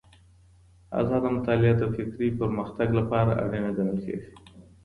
ازاده مطالعه د فکري پرمختګ لپاره اړينه ګڼل کېږي.